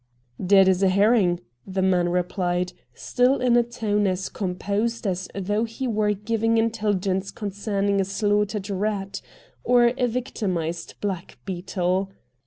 ' Dead as a herring,' the man replied, still in a tone as composed as though he were giving intelligence concerning a slaughtered rat or a victimised blackbeetle.